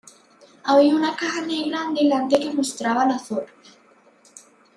Había una caja negra en delante que mostraba las fotos.